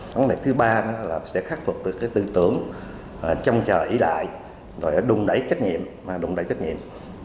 cái thứ ba là sẽ khắc phục được tư tưởng chăm chờ ý đại đụng đẩy trách nhiệm